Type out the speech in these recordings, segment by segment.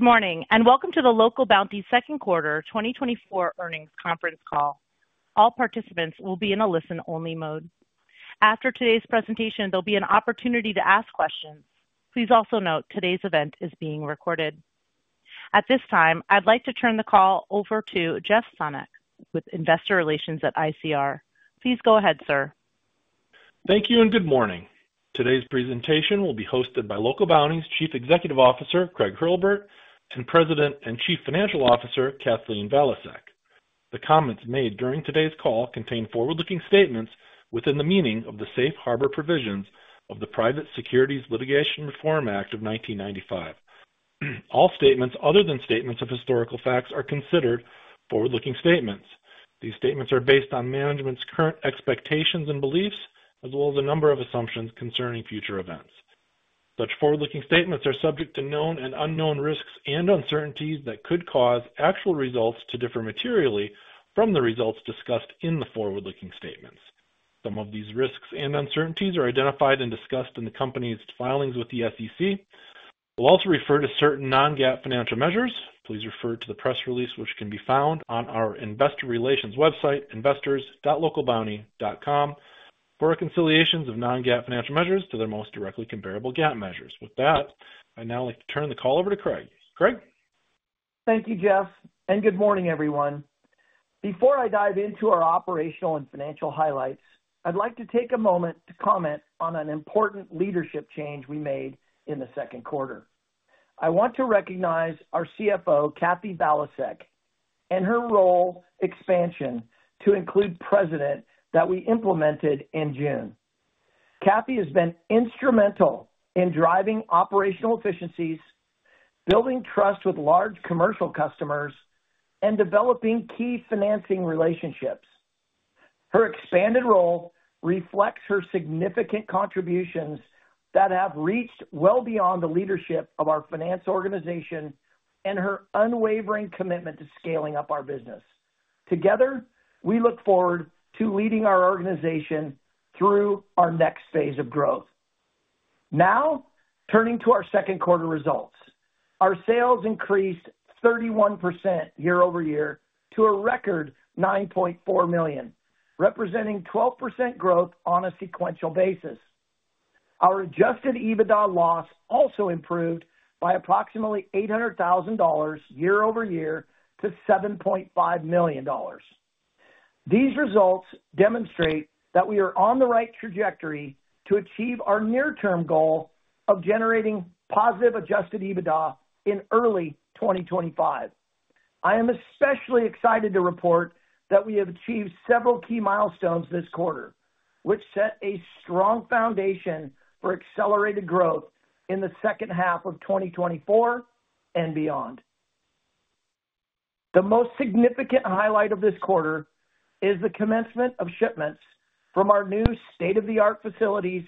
Good morning, and welcome to the Local Bounti second quarter 2024 earnings conference call. All participants will be in a listen-only mode. After today's presentation, there'll be an opportunity to ask questions. Please also note today's event is being recorded. At this time, I'd like to turn the call over to Jeff Sonnek with Investor Relations at ICR. Please go ahead, sir. Thank you and good morning. Today's presentation will be hosted by Local Bounti's Chief Executive Officer, Craig Hurlbert, and President and Chief Financial Officer, Kathleen Valiasek. The comments made during today's call contain forward-looking statements within the meaning of the Safe Harbor Provisions of the Private Securities Litigation Reform Act of 1995. All statements other than statements of historical facts are considered forward-looking statements. These statements are based on management's current expectations and beliefs, as well as a number of assumptions concerning future events. Such forward-looking statements are subject to known and unknown risks and uncertainties that could cause actual results to differ materially from the results discussed in the forward-looking statements. Some of these risks and uncertainties are identified and discussed in the company's filings with the SEC. We'll also refer to certain non-GAAP financial measures. Please refer to the press release, which can be found on our investor relations website, investors.localbounti.com, for reconciliations of non-GAAP financial measures to their most directly comparable GAAP measures. With that, I'd now like to turn the call over to Craig. Craig? Thank you, Jeff, and good morning, everyone. Before I dive into our operational and financial highlights, I'd like to take a moment to comment on an important leadership change we made in the second quarter. I want to recognize our CFO, Kathy Valiasek, and her role expansion to include President, that we implemented in June. Kathy has been instrumental in driving operational efficiencies, building trust with large commercial customers, and developing key financing relationships. Her expanded role reflects her significant contributions that have reached well beyond the leadership of our finance organization and her unwavering commitment to scaling up our business. Together, we look forward to leading our organization through our next phase of growth. Now, turning to our second quarter results. Our sales increased 31% year-over-year to a record $9.4 million, representing 12% growth on a sequential basis. Our Adjusted EBITDA loss also improved by approximately $800,000 year-over-year to $7.5 million. These results demonstrate that we are on the right trajectory to achieve our near-term goal of generating positive Adjusted EBITDA in early 2025. I am especially excited to report that we have achieved several key milestones this quarter, which set a strong foundation for accelerated growth in the second half of 2024 and beyond. The most significant highlight of this quarter is the commencement of shipments from our new state-of-the-art facilities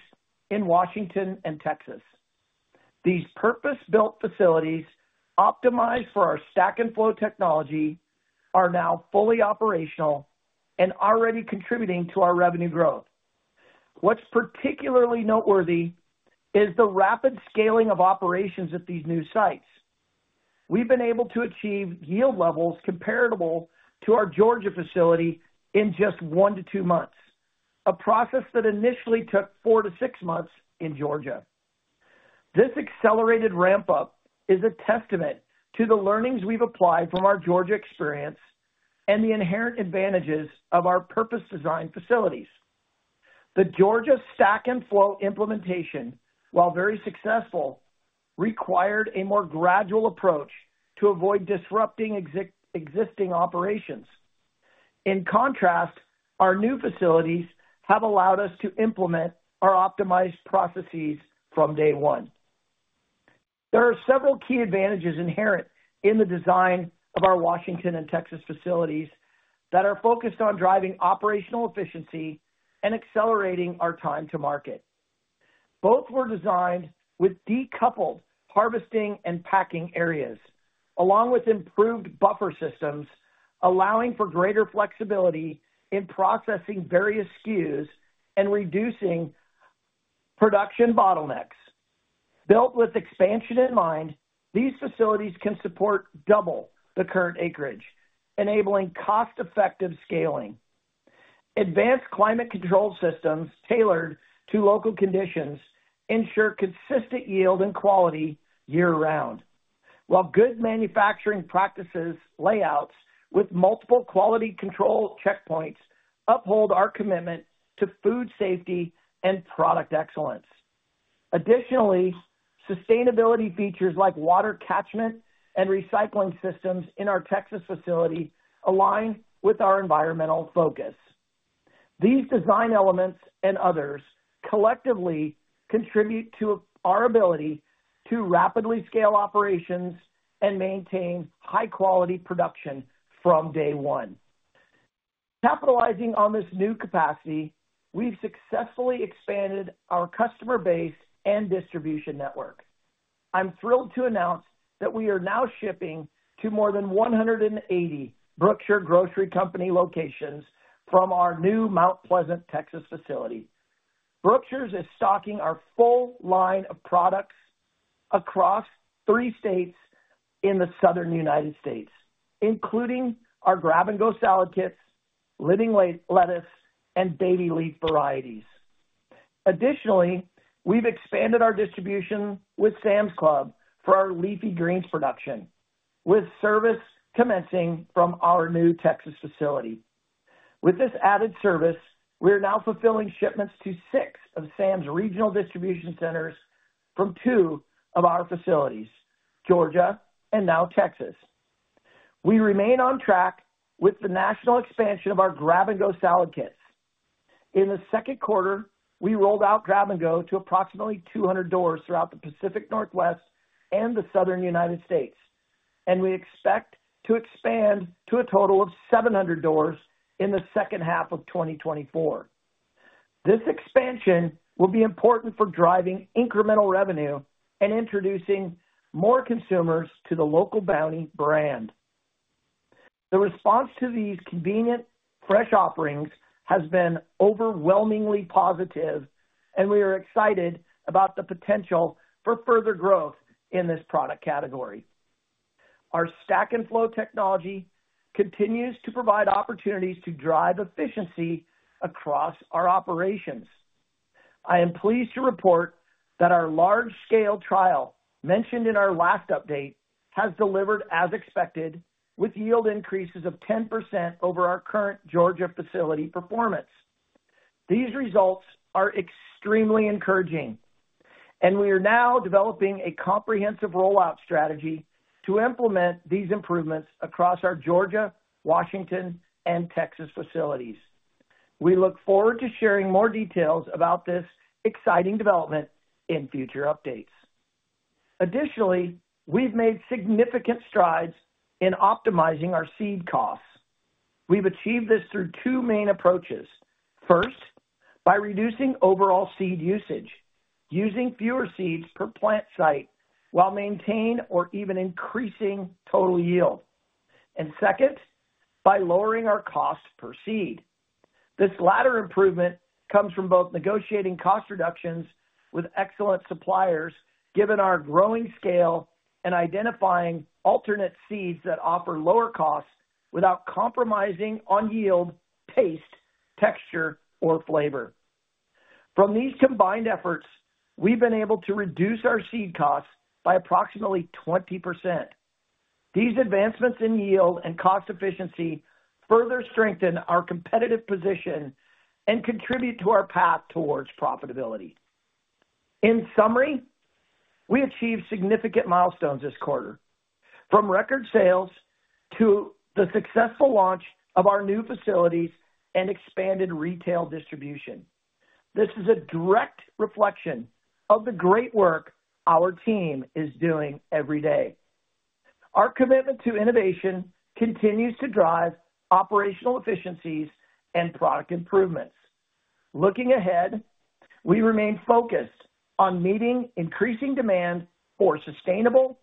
in Washington and Texas. These purpose-built facilities, optimized for our Stack & Flow Technology, are now fully operational and already contributing to our revenue growth. What's particularly noteworthy is the rapid scaling of operations at these new sites. We've been able to achieve yield levels comparable to our Georgia facility in just 1-2 months, a process that initially took 4-6 months in Georgia. This accelerated ramp-up is a testament to the learnings we've applied from our Georgia experience and the inherent advantages of our purpose-designed facilities. The Georgia Stack & Flow implementation, while very successful, required a more gradual approach to avoid disrupting existing operations. In contrast, our new facilities have allowed us to implement our optimized processes from day one. There are several key advantages inherent in the design of our Washington and Texas facilities that are focused on driving operational efficiency and accelerating our time to market. Both were designed with decoupled harvesting and packing areas, along with improved buffer systems, allowing for greater flexibility in processing various SKUs and reducing production bottlenecks. Built with expansion in mind, these facilities can support double the current acreage, enabling cost-effective scaling. Advanced climate control systems tailored to local conditions ensure consistent yield and quality year-round, while Good Manufacturing Practices layouts with multiple quality control checkpoints uphold our commitment to food safety and product excellence. Additionally, sustainability features like water catchment and recycling systems in our Texas facility align with our environmental focus. These design elements and others collectively contribute to our ability to rapidly scale operations and maintain high quality production from day one. Capitalizing on this new capacity, we've successfully expanded our customer base and distribution network. I'm thrilled to announce that we are now shipping to more than 180 Brookshire Grocery Company locations from our new Mount Pleasant, Texas facility... Brookshire's is stocking our full line of products across three states in the Southern United States, including our Grab & Go Salad Kits, Living Lettuce, and Baby Leaf varieties. Additionally, we've expanded our distribution with Sam's Club for our leafy greens production, with service commencing from our new Texas facility. With this added service, we are now fulfilling shipments to six of Sam's regional distribution centers from two of our facilities, Georgia and now Texas. We remain on track with the national expansion of our Grab & Go Salad Kits. In the second quarter, we rolled out Grab & Go to approximately 200 doors throughout the Pacific Northwest and the Southern United States, and we expect to expand to a total of 700 doors in the second half of 2024. This expansion will be important for driving incremental revenue and introducing more consumers to the Local Bounti brand. The response to these convenient, fresh offerings has been overwhelmingly positive, and we are excited about the potential for further growth in this product category. Our Stack & Flow Technology continues to provide opportunities to drive efficiency across our operations. I am pleased to report that our large-scale trial, mentioned in our last update, has delivered as expected, with yield increases of 10% over our current Georgia facility performance. These results are extremely encouraging, and we are now developing a comprehensive rollout strategy to implement these improvements across our Georgia, Washington, and Texas facilities. We look forward to sharing more details about this exciting development in future updates. Additionally, we've made significant strides in optimizing our seed costs. We've achieved this through two main approaches. First, by reducing overall seed usage, using fewer seeds per plant site while maintaining or even increasing total yield. And second, by lowering our costs per seed. This latter improvement comes from both negotiating cost reductions with excellent suppliers, given our growing scale and identifying alternate seeds that offer lower costs without compromising on yield, taste, texture, or flavor. From these combined efforts, we've been able to reduce our seed costs by approximately 20%. These advancements in yield and cost efficiency further strengthen our competitive position and contribute to our path toward profitability. In summary, we achieved significant milestones this quarter, from record sales to the successful launch of our new facilities and expanded retail distribution. This is a direct reflection of the great work our team is doing every day. Our commitment to innovation continues to drive operational efficiencies and product improvements. Looking ahead, we remain focused on meeting increasing demand for sustainable,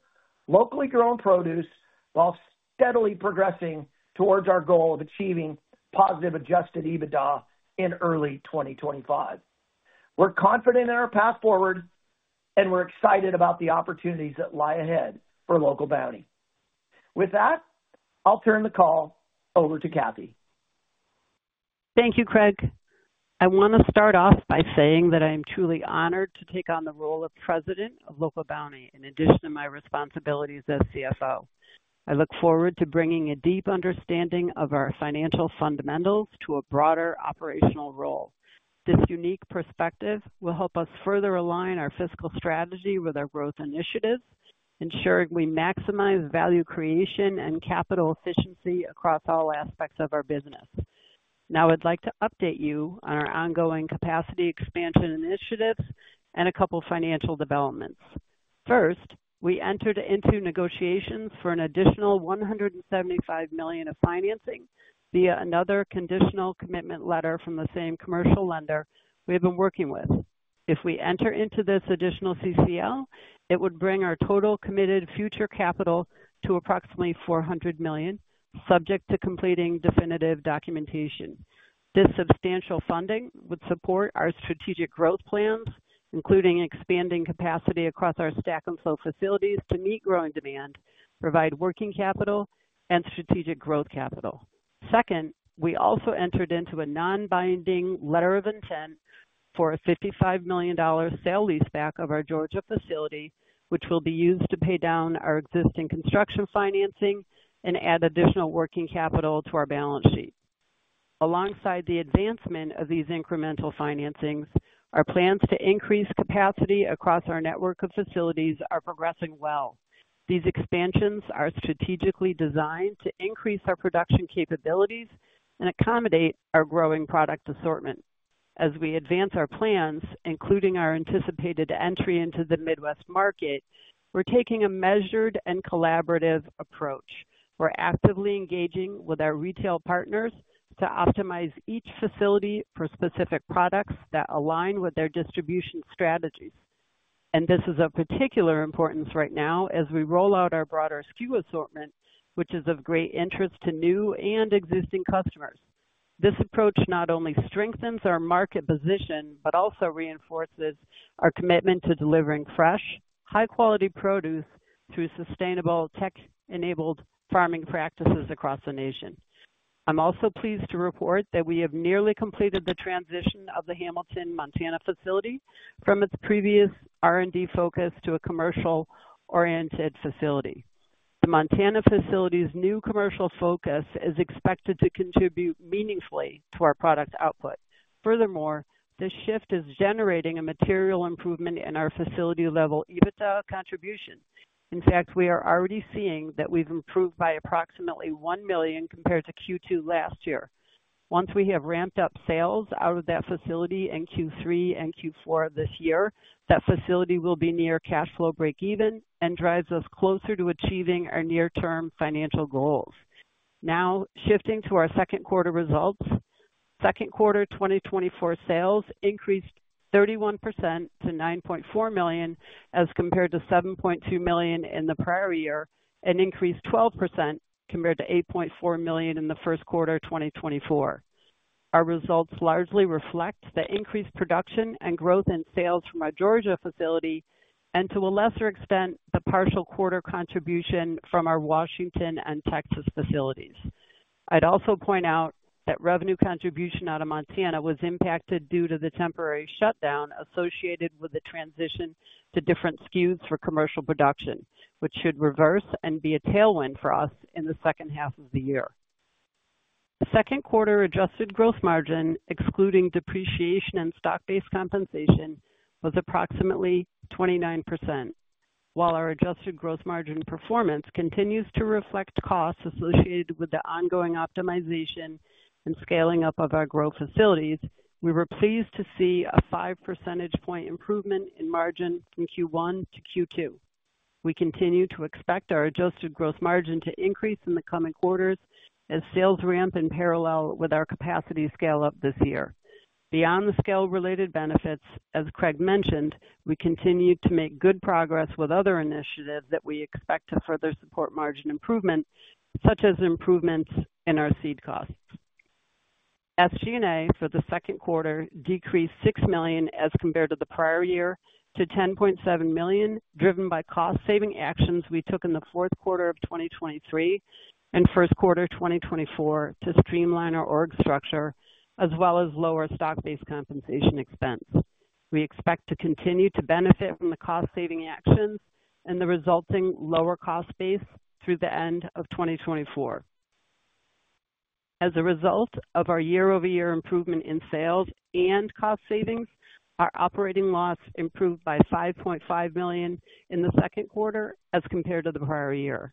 locally grown produce, while steadily progressing towards our goal of achieving positive Adjusted EBITDA in early 2025. We're confident in our path forward, and we're excited about the opportunities that lie ahead for Local Bounti. With that, I'll turn the call over to Kathy. Thank you, Craig. I want to start off by saying that I am truly honored to take on the role of President of Local Bounti, in addition to my responsibilities as CFO. I look forward to bringing a deep understanding of our financial fundamentals to a broader operational role. This unique perspective will help us further align our fiscal strategy with our growth initiatives, ensuring we maximize value creation and capital efficiency across all aspects of our business. Now, I'd like to update you on our ongoing capacity expansion initiatives and a couple financial developments. First, we entered into negotiations for an additional $175 million of financing via another conditional commitment letter from the same commercial lender we have been working with. If we enter into this additional CCL, it would bring our total committed future capital to approximately $400 million, subject to completing definitive documentation. This substantial funding would support our strategic growth plans, including expanding capacity across our stack & flow facilities to meet growing demand, provide working capital, and strategic growth capital. Second, we also entered into a non-binding letter of intent for a $55 million sale-leaseback of our Georgia facility, which will be used to pay down our existing construction financing and add additional working capital to our balance sheet. Alongside the advancement of these incremental financings, our plans to increase capacity across our network of facilities are progressing well. These expansions are strategically designed to increase our production capabilities and accommodate our growing product assortment. As we advance our plans, including our anticipated entry into the Midwest market, we're taking a measured and collaborative approach. We're actively engaging with our retail partners to optimize each facility for specific products that align with their distribution strategies. This is of particular importance right now as we roll out our broader SKU assortment, which is of great interest to new and existing customers. This approach not only strengthens our market position, but also reinforces our commitment to delivering fresh, high-quality produce through sustainable, tech-enabled farming practices across the nation. I'm also pleased to report that we have nearly completed the transition of the Hamilton, Montana facility from its previous R&D focus to a commercial-oriented facility. The Montana facility's new commercial focus is expected to contribute meaningfully to our product output. Furthermore, this shift is generating a material improvement in our facility level EBITDA contribution. In fact, we are already seeing that we've improved by approximately $1 million compared to Q2 last year. Once we have ramped up sales out of that facility in Q3 and Q4 of this year, that facility will be near cash flow breakeven and drives us closer to achieving our near-term financial goals. Now, shifting to our second quarter results. Second quarter 2024 sales increased 31% to $9.4 million, as compared to $7.2 million in the prior year, and increased 12% compared to $8.4 million in the first quarter of 2024. Our results largely reflect the increased production and growth in sales from our Georgia facility and, to a lesser extent, the partial quarter contribution from our Washington and Texas facilities. I'd also point out that revenue contribution out of Montana was impacted due to the temporary shutdown associated with the transition to different SKUs for commercial production, which should reverse and be a tailwind for us in the second half of the year. The second quarter adjusted gross margin, excluding depreciation and stock-based compensation, was approximately 29%. While our adjusted gross margin performance continues to reflect costs associated with the ongoing optimization and scaling up of our growth facilities, we were pleased to see a five percentage point improvement in margin from Q1 to Q2. We continue to expect our adjusted gross margin to increase in the coming quarters as sales ramp in parallel with our capacity scale-up this year. Beyond the scale-related benefits, as Craig mentioned, we continue to make good progress with other initiatives that we expect to further support margin improvement, such as improvements in our seed costs. SG&A for the second quarter decreased $6 million as compared to the prior year, to $10.7 million, driven by cost-saving actions we took in the fourth quarter of 2023 and first quarter of 2024 to streamline our org structure, as well as lower stock-based compensation expense. We expect to continue to benefit from the cost-saving actions and the resulting lower cost base through the end of 2024. As a result of our year-over-year improvement in sales and cost savings, our operating loss improved by $5.5 million in the second quarter as compared to the prior year.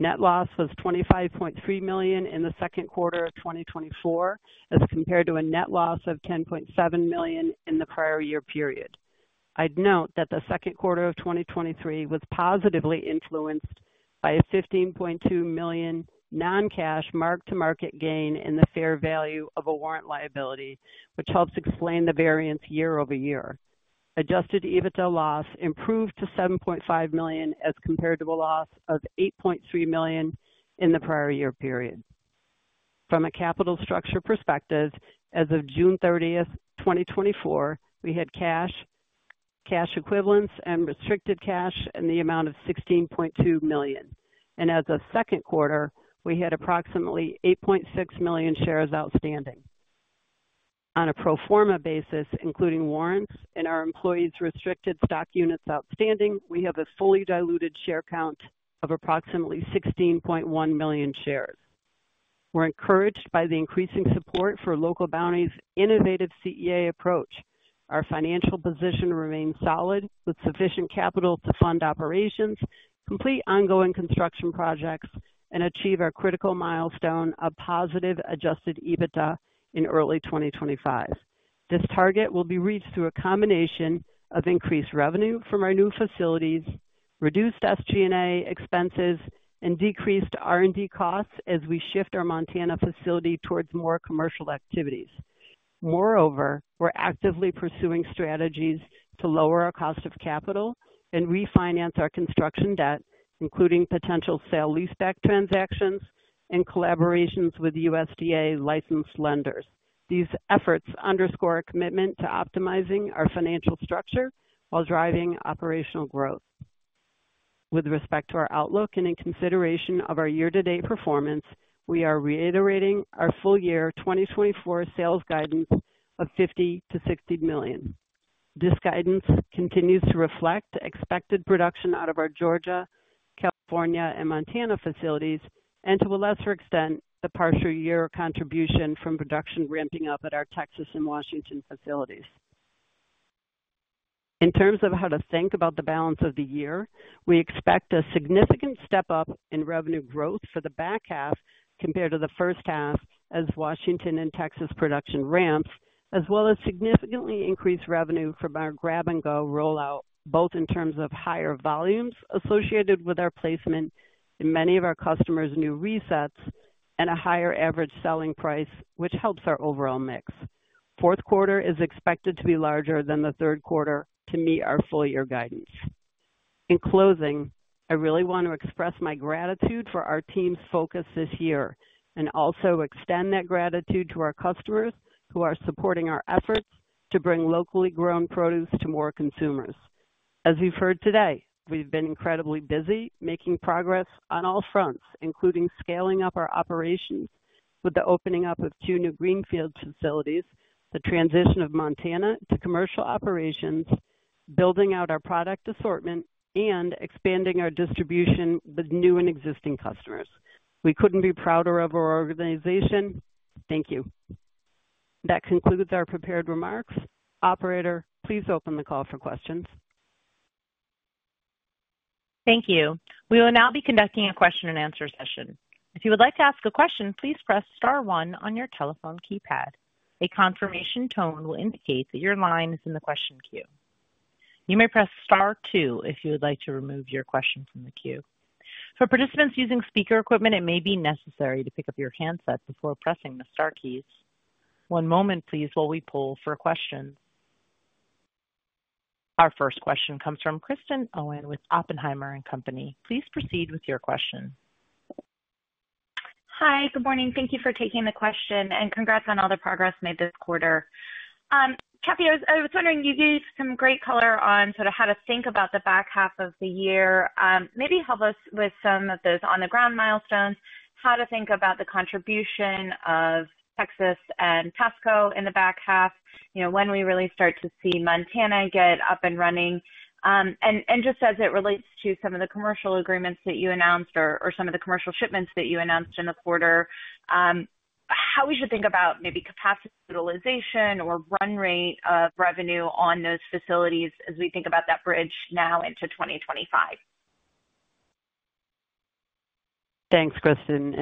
Net loss was $25.3 million in the second quarter of 2024, as compared to a net loss of $10.7 million in the prior year period. I'd note that the second quarter of 2023 was positively influenced by a $15.2 million non-cash mark-to-market gain in the fair value of a Warrant Liability, which helps explain the variance year-over-year. Adjusted EBITDA loss improved to $7.5 million, as compared to a loss of $8.3 million in the prior year period. From a capital structure perspective, as of June thirtieth, 2024, we had cash, cash equivalents, and restricted cash in the amount of $16.2 million. And as of the second quarter, we had approximately 8.6 million shares outstanding. On a pro forma basis, including warrants and our employees' restricted stock units outstanding, we have a fully diluted share count of approximately 16.1 million shares. We're encouraged by the increasing support for Local Bounti's innovative CEA approach. Our financial position remains solid, with sufficient capital to fund operations, complete ongoing construction projects, and achieve our critical milestone of positive Adjusted EBITDA in early 2025. This target will be reached through a combination of increased revenue from our new facilities, reduced SG&A expenses, and decreased R&D costs as we shift our Montana facility towards more commercial activities. Moreover, we're actively pursuing strategies to lower our cost of capital and refinance our construction debt, including potential sale-leaseback transactions and collaborations with USDA-licensed lenders. These efforts underscore a commitment to optimizing our financial structure while driving operational growth. With respect to our outlook and in consideration of our year-to-date performance, we are reiterating our full-year 2024 sales guidance of $50 million-$60 million. This guidance continues to reflect expected production out of our Georgia, California, and Montana facilities and, to a lesser extent, the partial year contribution from production ramping up at our Texas and Washington facilities. In terms of how to think about the balance of the year, we expect a significant step-up in revenue growth for the back half compared to the first half as Washington and Texas production ramps, as well as significantly increased revenue from our Grab & Go rollout, both in terms of higher volumes associated with our placement in many of our customers' new resets and a higher average selling price, which helps our overall mix. Fourth quarter is expected to be larger than the third quarter to meet our full year guidance. In closing, I really want to express my gratitude for our team's focus this year and also extend that gratitude to our customers who are supporting our efforts to bring locally grown produce to more consumers. As you've heard today, we've been incredibly busy making progress on all fronts, including scaling up our operations with the opening up of two new greenfield facilities, the transition of Montana to commercial operations, building out our product assortment, and expanding our distribution with new and existing customers. We couldn't be prouder of our organization. Thank you. That concludes our prepared remarks. Operator, please open the call for questions. Thank you. We will now be conducting a question-and-answer session. If you would like to ask a question, please press star one on your telephone keypad. A confirmation tone will indicate that your line is in the question queue. You may press star two if you would like to remove your question from the queue. For participants using speaker equipment, it may be necessary to pick up your handset before pressing the star keys. One moment, please, while we pull for a question. Our first question comes from Kristen Owen with Oppenheimer & Co. Please proceed with your question. Hi, good morning. Thank you for taking the question and congrats on all the progress made this quarter. Kathy, I was wondering, you gave some great color on sort of how to think about the back half of the year. Maybe help us with some of those on-the-ground milestones, how to think about the contribution of Texas and Washington in the back half, you know, when we really start to see Montana get up and running. And just as it relates to some of the commercial agreements that you announced or some of the commercial shipments that you announced in the quarter, how we should think about maybe capacity utilization or run rate of revenue on those facilities as we think about that bridge now into 2025. Thanks, Kristin,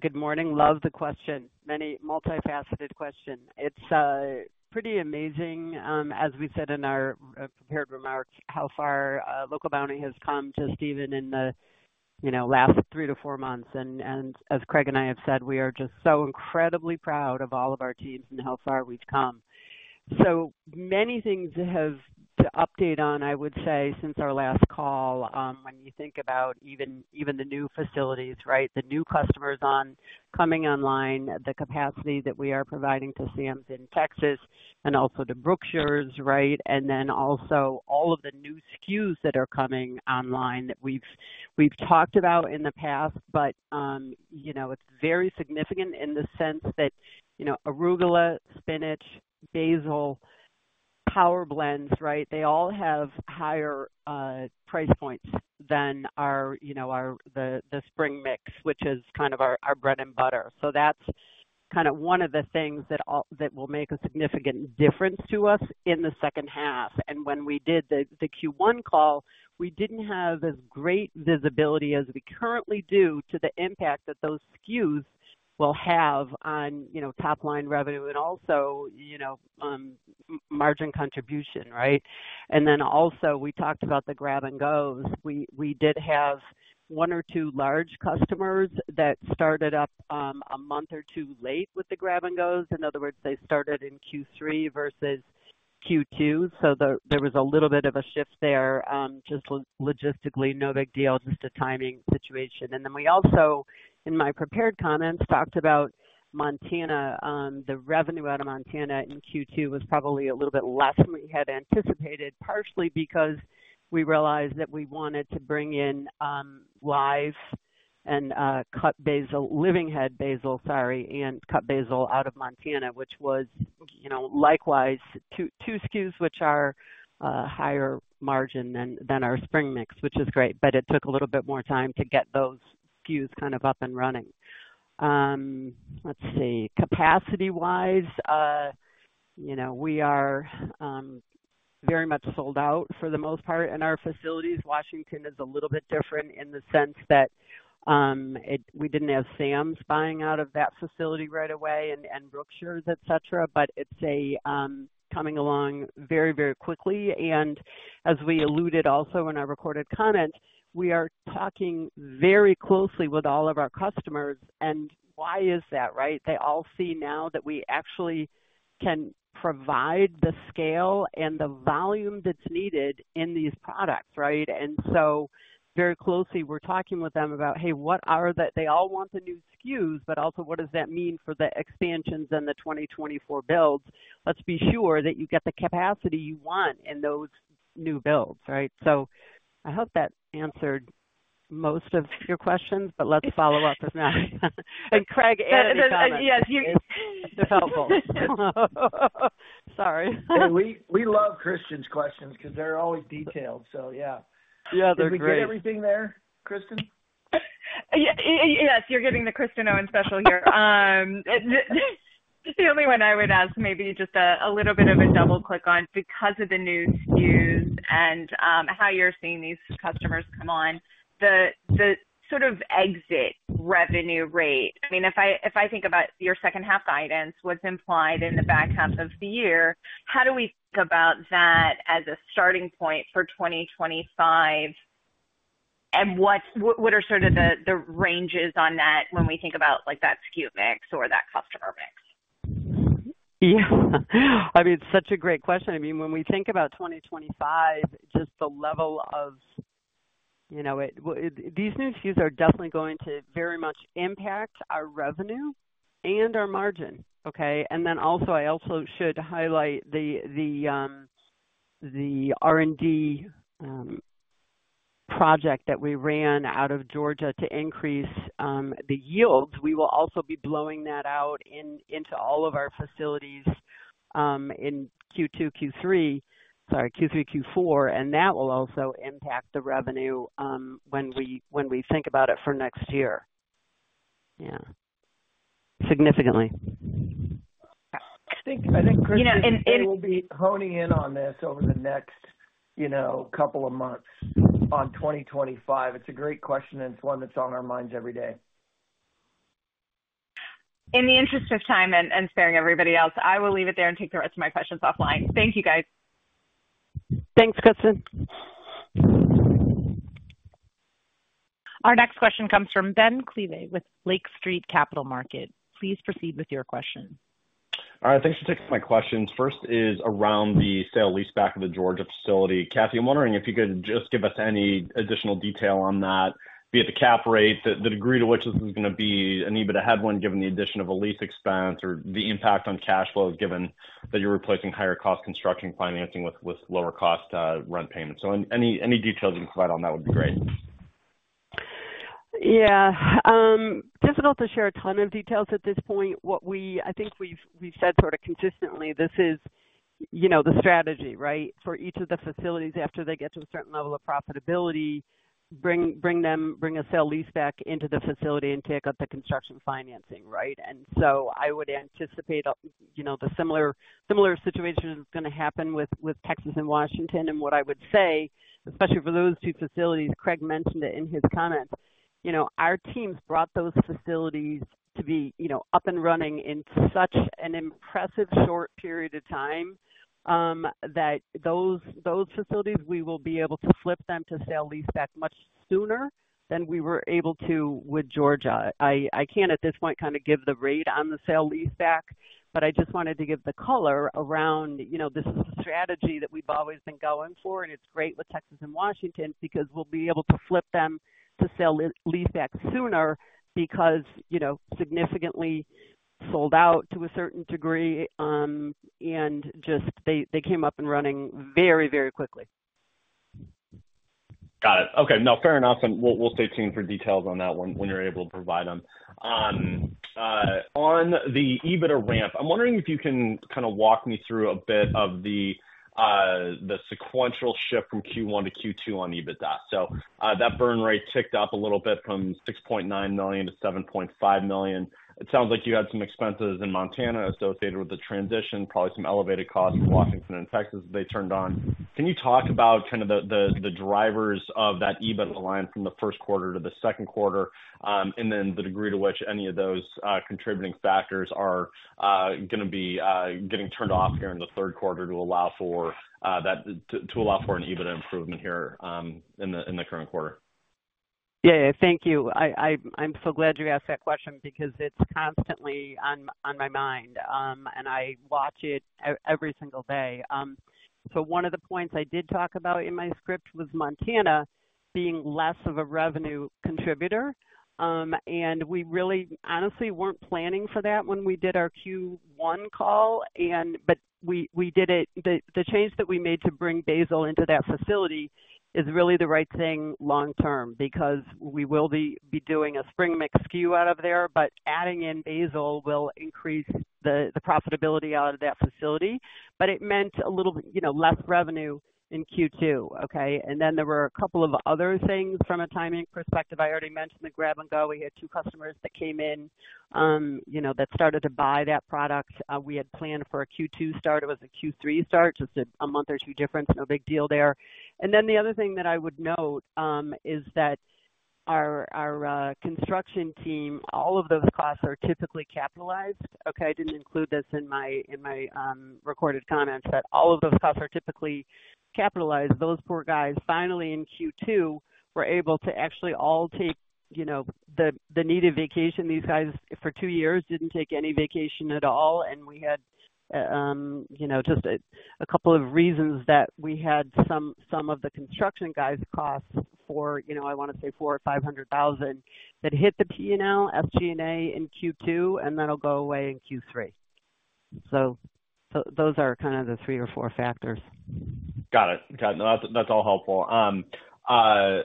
good morning. Love the question. Many multifaceted question. It's pretty amazing, as we said in our prepared remarks, how far Local Bounti has come just even in the, you know, last three to four months. And as Craig and I have said, we are just so incredibly proud of all of our teams and how far we've come. So many things to update on, I would say, since our last call, when you think about even the new facilities, right? The new customers coming online, the capacity that we are providing to Sam's in Texas and also to Brookshire's, right, and then also all of the new SKUs that are coming online that we've talked about in the past. But you know, it's very significant in the sense that, you know, arugula, spinach, basil, power blends, right? They all have higher price points than our spring mix, which is kind of our bread and butter. So that's kind of one of the things that will make a significant difference to us in the second half. And when we did the Q1 call, we didn't have as great visibility as we currently do to the impact that those SKUs will have on, you know, top-line revenue and also, you know, margin contribution, right? And then also, we talked about the Grab & Go's. We did have one or two large customers that started up a month or two late with the Grab & Go's. In other words, they started in Q3 versus Q2, so there was a little bit of a shift there, just logistically, no big deal, just a timing situation. And then we also, in my prepared comments, talked about Montana. The revenue out of Montana in Q2 was probably a little bit less than we had anticipated, partially because we realized that we wanted to bring in live and cut basil, living head basil, sorry, and cut basil out of Montana, which was, you know, likewise, 2 SKUs, which are higher margin than our spring mix, which is great, but it took a little bit more time to get those SKUs kind of up and running. Let's see. Capacity-wise, you know, we are very much sold out for the most part in our facilities. Washington is a little bit different in the sense that we didn't have Sam's buying out of that facility right away and Brookshire's, et cetera, but it's coming along very, very quickly. And as we alluded also in our recorded comments, we are talking very closely with all of our customers. And why is that, right? They all see now that we actually can provide the scale and the volume that's needed in these products, right? And so very closely, we're talking with them about, hey, what are the... They all want the new SKUs, but also what does that mean for the expansions and the 2024 builds? Let's be sure that you get the capacity you want in those new builds, right? So I hope that answered most of your questions, but let's follow up if not. And Craig, any comments? Yes, you- helpful. Sorry. We love Kristen's questions because they're always detailed, so yeah. Yeah, they're great. Did we get everything there, Kristen? Yes, you're giving the Kristen Owen special here. The only one I would ask, maybe just a little bit of a double click on because of the new SKUs and, how you're seeing these customers come on, the sort of exit revenue rate. I mean, if I think about your second half guidance, what's implied in the back half of the year, how do we think about that as a starting point for 2025? And what are sort of the ranges on that when we think about, like, that SKU mix or that customer mix? Yeah. I mean, it's such a great question. I mean, when we think about 2025, just the level of, you know, these new SKUs are definitely going to very much impact our revenue and our margin, okay? And then also, I also should highlight the R&D project that we ran out of Georgia to increase the yields. We will also be rolling that out into all of our facilities in Q2, Q3, sorry, Q3, Q4, and that will also impact the revenue when we think about it for next year. Yeah, significantly. I think, Kristen, we will be honing in on this over the next, you know, couple of months on 2025. It's a great question, and it's one that's on our minds every day. In the interest of time and sparing everybody else, I will leave it there and take the rest of my questions offline. Thank you, guys. Thanks, Kristen. Our next question comes from Ben Klieve with Lake Street Capital Markets. Please proceed with your question. All right, thanks for taking my questions. First is around the sale-leaseback of the Georgia facility. Kathy, I'm wondering if you could just give us any additional detail on that, be it the cap rate, the degree to which this is going to be an EBITDA headwind, given the addition of a lease expense or the impact on cash flow, given that you're replacing higher cost construction financing with lower cost rent payments. So any details you can provide on that would be great. Yeah, difficult to share a ton of details at this point. I think we've said sort of consistently, this is, you know, the strategy, right? For each of the facilities, after they get to a certain level of profitability, bring a sale-leaseback into the facility and take out the construction financing, right? And so I would anticipate, you know, the similar situation is going to happen with Texas and Washington. And what I would say, especially for those two facilities, Craig mentioned it in his comments, you know, our teams brought those facilities to be, you know, up and running in such an impressive short period of time, that those facilities, we will be able to flip them to sale-leaseback much sooner than we were able to with Georgia. I can't at this point kind of give the rate on the sale-leaseback, but I just wanted to give the color around, you know, this is a strategy that we've always been going for, and it's great with Texas and Washington, because we'll be able to flip them to sale-leaseback sooner because, you know, significantly sold out to a certain degree, and just they came up and running very, very quickly. Got it. Okay, no, fair enough, and we'll, we'll stay tuned for details on that one when you're able to provide them. On the EBITDA ramp, I'm wondering if you can kind of walk me through a bit of the the sequential shift from Q1 to Q2 on EBITDA. So, that burn rate ticked up a little bit from $6.9 million-$7.5 million. It sounds like you had some expenses in Montana associated with the transition, probably some elevated costs in Washington and Texas, they turned on. Can you talk about kind of the drivers of that EBITDA line from the first quarter to the second quarter? And then the degree to which any of those contributing factors are going to be getting turned off here in the third quarter to allow for an EBITDA improvement here in the current quarter. Yeah, thank you. I'm so glad you asked that question because it's constantly on my mind, and I watch it every single day. So one of the points I did talk about in my script was Montana being less of a revenue contributor, and we really honestly weren't planning for that when we did our Q1 call. But we did it. The change that we made to bring Basil into that facility is really the right thing long term, because we will be doing a spring mix SKU out of there, but adding in Basil will increase the profitability out of that facility. But it meant a little, you know, less revenue in Q2. Okay? And then there were a couple of other things from a timing perspective. I already mentioned the grab-and-go. We had two customers that came in, you know, that started to buy that product. We had planned for a Q2 start. It was a Q3 start, just a month or two difference. No big deal there. And then the other thing that I would note is that our construction team, all of those costs are typically capitalized. Okay, I didn't include this in my recorded comments, but all of those costs are typically capitalized. Those poor guys, finally in Q2, were able to actually all take, you know, the needed vacation. These guys, for two years, didn't take any vacation at all, and we had, you know, just a couple of reasons that we had some of the construction guys costs for, you know, I want to say $400,000-$500,000, that hit the P&L, SG&A in Q2, and that'll go away in Q3. So those are kind of the three or four factors. Got it. Got it. No, that's, that's all helpful. I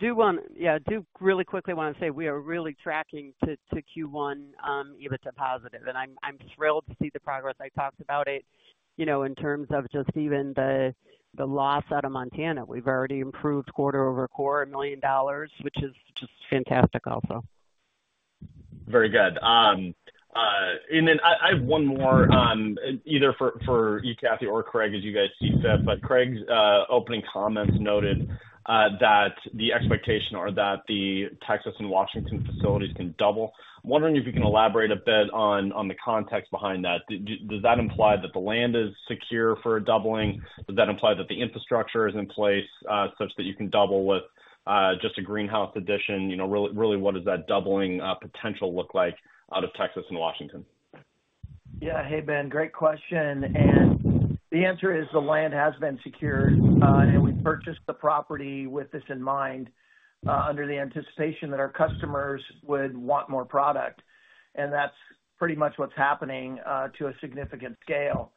do really quickly want to say we are really tracking to Q1 EBITDA positive, and I'm thrilled to see the progress. I talked about it, you know, in terms of just even the loss out of Montana. We've already improved quarter-over-quarter, $1 million, which is just fantastic also. Very good. And then I have one more, either for you, Kathy or Craig, as you guys see fit. But Craig's opening comments noted that the expectation or that the Texas and Washington facilities can double. I'm wondering if you can elaborate a bit on the context behind that. Does that imply that the land is secure for a doubling? Does that imply that the infrastructure is in place, such that you can double with just a greenhouse addition? You know, really, really, what does that doubling potential look like out of Texas and Washington? Yeah. Hey, Ben, great question, and the answer is the land has been secured, and we purchased the property with this in mind, under the anticipation that our customers would want more product. And that's pretty much what's happening, to a significant scale.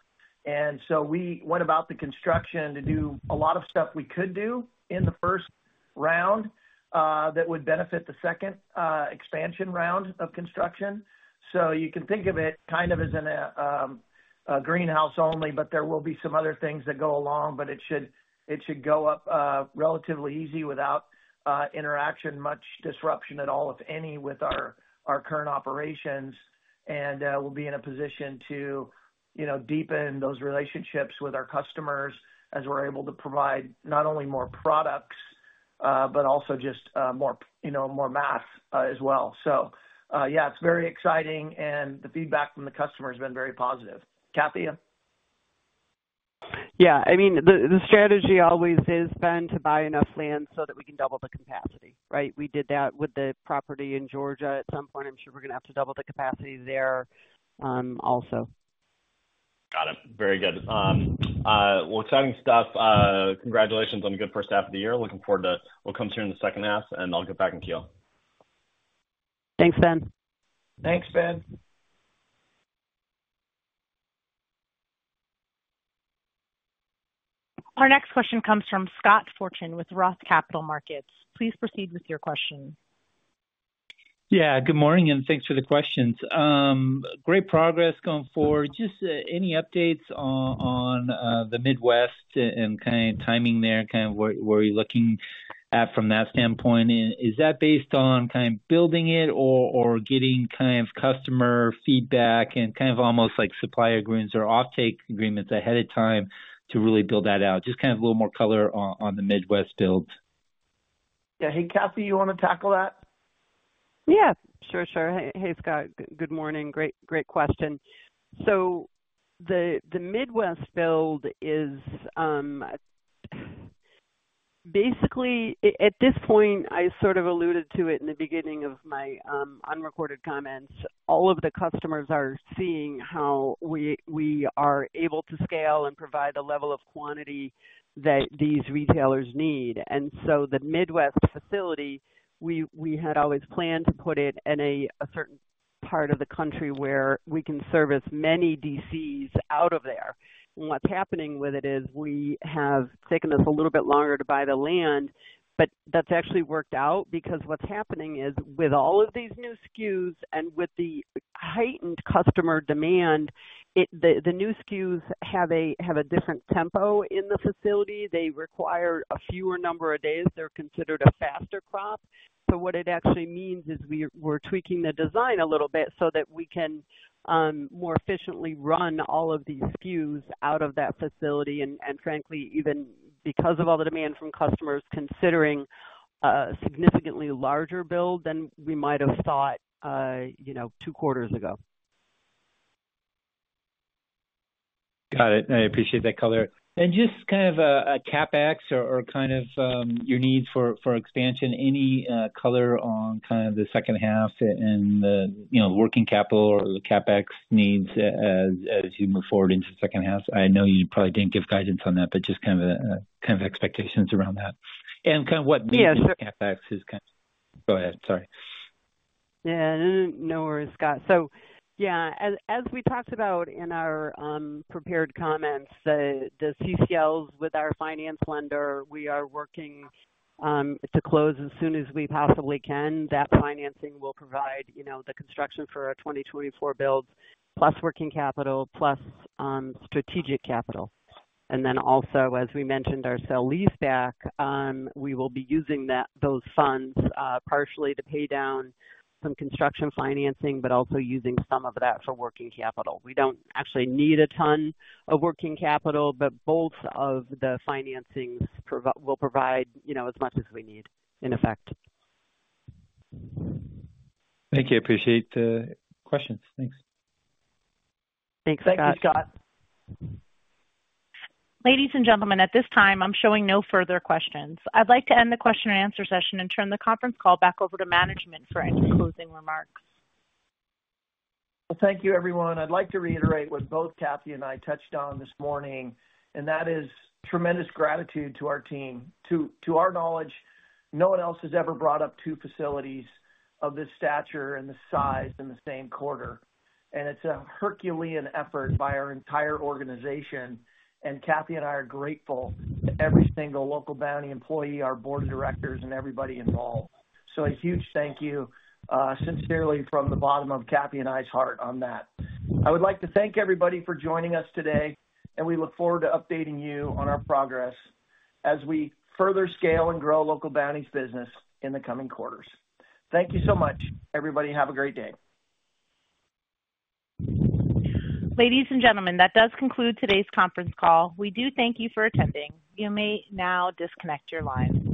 And so we went about the construction to do a lot of stuff we could do in the first round, that would benefit the second, expansion round of construction. So you can think of it kind of as in a, a greenhouse only, but there will be some other things that go along. But it should, it should go up, relatively easy without interaction, much disruption at all, if any, with our, our current operations. We'll be in a position to, you know, deepen those relationships with our customers as we're able to provide not only more products, but also just, more, you know, more math, as well. So, yeah, it's very exciting, and the feedback from the customer has been very positive. Kathy? Yeah. I mean, the strategy always has been to buy enough land so that we can double the capacity, right? We did that with the property in Georgia. At some point, I'm sure we're gonna have to double the capacity there, also. Got it. Very good. Well, exciting stuff. Congratulations on a good first half of the year. Looking forward to what comes here in the second half, and I'll get back to you. Thanks, Ben. Thanks, Ben. Our next question comes from Scott Fortune with Roth Capital Markets. Please proceed with your question. Yeah, good morning, and thanks for the questions. Great progress going forward. Just any updates on the Midwest and kind of timing there, kind of where are you looking at from that standpoint? And is that based on kind of building it or getting kind of customer feedback and kind of almost like supplier agreements or offtake agreements ahead of time to really build that out? Just kind of a little more color on the Midwest build. Yeah. Hey, Kathy, you wanna tackle that? Yeah, sure, sure. Hey, Scott. Good morning. Great, great question. So the Midwest build is basically at this point. I sort of alluded to it in the beginning of my unrecorded comments. All of the customers are seeing how we are able to scale and provide the level of quantity that these retailers need. And so the Midwest facility, we had always planned to put it in a certain part of the country where we can service many DCs out of there. And what's happening with it is, we have taken us a little bit longer to buy the land, but that's actually worked out because what's happening is, with all of these new SKUs and with the heightened customer demand, it, the new SKUs have a different tempo in the facility. They require a fewer number of days. They're considered a faster crop. So what it actually means is we're tweaking the design a little bit so that we can more efficiently run all of these SKUs out of that facility. And frankly, even because of all the demand from customers, considering a significantly larger build than we might have thought, you know, two quarters ago. Got it. I appreciate that color. And just kind of a CapEx or, or kind of your needs for expansion, any color on kind of the second half and the, you know, working capital or the CapEx needs as you move forward into the second half? I know you probably didn't give guidance on that, but just kind of kind of expectations around that. And kind of what- Yeah. CapEx is... Go ahead, sorry. Yeah. No worries, Scott. So yeah, as we talked about in our prepared comments, the CCLs with our finance lender, we are working to close as soon as we possibly can. That financing will provide, you know, the construction for our 2024 builds, plus working capital, plus strategic capital. And then also, as we mentioned, our sale-leaseback, we will be using those funds partially to pay down some construction financing, but also using some of that for working capital. We don't actually need a ton of working capital, but both of the financings will provide, you know, as much as we need, in effect. Thank you. I appreciate the questions. Thanks. Thanks, Scott. Thank you, Scott. Ladies and gentlemen, at this time, I'm showing no further questions. I'd like to end the question and answer session and turn the conference call back over to management for any closing remarks. Well, thank you, everyone. I'd like to reiterate what both Kathy and I touched on this morning, and that is tremendous gratitude to our team. To our knowledge, no one else has ever brought up two facilities of this stature and the size in the same quarter. It's a Herculean effort by our entire organization, and Kathy and I are grateful to every single Local Bounti employee, our board of directors, and everybody involved. A huge thank you, sincerely from the bottom of Kathy and I's heart on that. I would like to thank everybody for joining us today, and we look forward to updating you on our progress as we further scale and grow Local Bounti's business in the coming quarters. Thank you so much, everybody. Have a great day. Ladies and gentlemen, that does conclude today's conference call. We do thank you for attending. You may now disconnect your line.